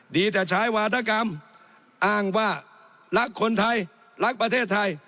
ดีแต่ใช้วาธกรรมอ้างว่ารักคนไทยรักประเทศไทย